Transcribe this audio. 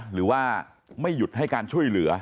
หรือว่าไม่หยุดให้การช่วยเหลือ